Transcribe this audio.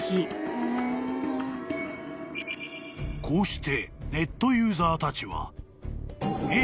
［こうしてネットユーザーたちは］